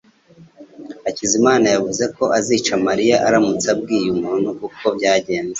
Hakizamana yavuze ko azica Mariya aramutse abwiye umuntu uko byagenze